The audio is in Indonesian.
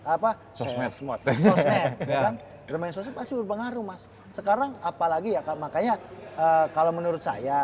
apa sosmed sosmed bermain sosmed pasti berpengaruh mas sekarang apalagi ya makanya kalau menurut saya